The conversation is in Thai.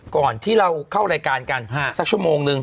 ก่อนที่เราเข้ารายการกันสักชั่วโมงนึง